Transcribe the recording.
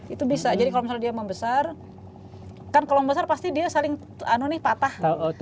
itu bisa jadi kalau misalnya dia membesar kan kalau membesar pasti dia saling patah